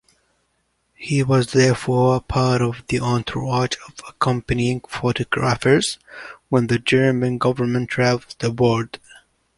He was therefore part of the entourage of accompanying photographers when the German government travelled abroad.